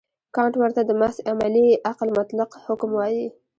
کانټ ورته د محض عملي عقل مطلق حکم وايي.